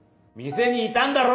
店にいたんだろ！？